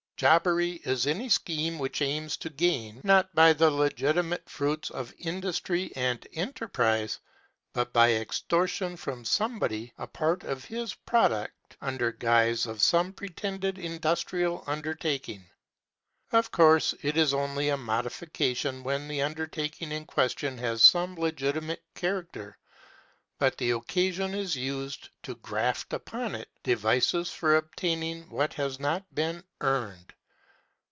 Jobbery is any scheme which aims to gain, not by the legitimate fruits of industry and enterprise, but by extorting from somebody a part of his product under guise of some pretended industrial undertaking. Of course it is only a modification when the undertaking in question has some legitimate character, but the occasion is used to graft upon it devices for obtaining what has not been earned.